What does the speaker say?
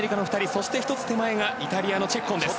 そして、１つ手前がイタリアのチェッコンです。